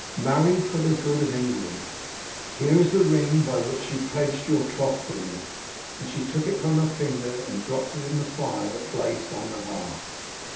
Marry for the good of England. Here is the ring by which you pledged your troth to me," and she took it from her finger and dropped it in the fire that blazed on the hearth.